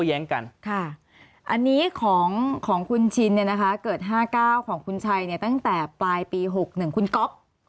อันนี้ของคุณชินเกิดห้าเก้าของคุณชัยตั้งแต่ปลายปี๖๑คุณก๊อบ